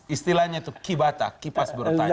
istilahnya itu kibata kipas bertanya